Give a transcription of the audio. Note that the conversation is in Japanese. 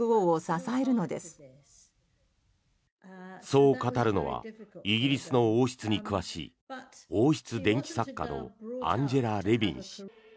そう語るのはイギリスの王室に詳しい王室伝記作家のアンジェラ・レビン氏。